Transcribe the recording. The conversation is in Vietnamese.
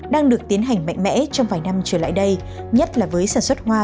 đang được tiến hành mạnh mẽ trong vài năm trở lại đây nhất là với sản xuất hoa